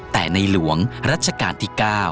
แต่ในหลวงรัชกาลที่๙